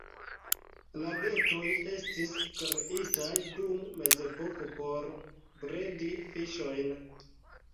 Lagetoj estis kreitaj dum mezepoko por bredi fiŝojn.